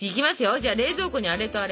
じゃあ冷蔵庫にあれとあれ。